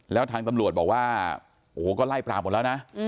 แล้วทางตำรวจบอกว่าโอ้โหก็ไล่ปราบหมดแล้วนะ